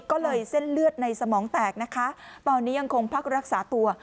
ก็เลยเส้นเลือดในสมองแตกนะคะตอนนี้ยังคงพักรักษาตัว